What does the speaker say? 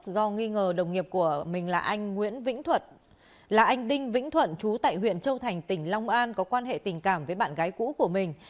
do nghi ngờ đồng nghiệp của mình là anh nguyễn vĩnh thuận là anh đinh vĩnh thuận chú tại huyện châu thành tỉnh long an có quan hệ tình cảm với bạn gái cũ của mình